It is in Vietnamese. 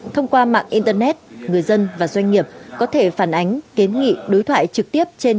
thông qua mạng internet người dân và doanh nghiệp có thể phản ánh kiến nghị đối thoại trực tiếp trên